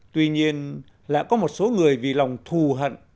tuy nhiên lại có một số người vì lòng thù hận